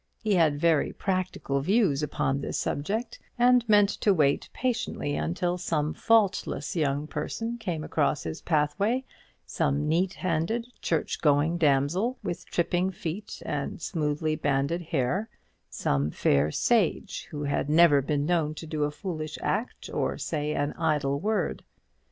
He had very practical views upon this subject, and meant to wait patiently until some faultless young person came across his pathway; some neat handed, church going damsel, with tripping feet and smoothly banded hair; some fair young sage, who had never been known to do a foolish act or say an idle word.